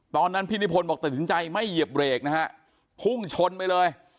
ตอนนั้นพี่นิพนธ์บอกตัดสินใจไม่เหยียบเบรกนะฮะพุ่งชนไปเลย